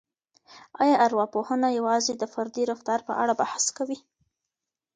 آیا ارواپوهنه یوازې د فردي رفتار په اړه بحث کوي؟